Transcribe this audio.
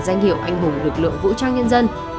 danh hiệu anh hùng lực lượng vũ trang nhân dân